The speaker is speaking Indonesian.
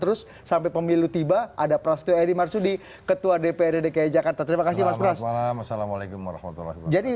assalamualaikum warahmatullahi wabarakatuh